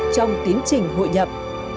trong tiến trình hội nhập